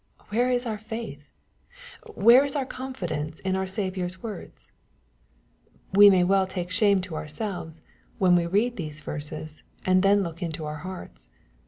Where is our faith ? Where is our confidence in our Saviour's words ? We may well take shame to ourselves, when we read these verses, and then look into our hearts.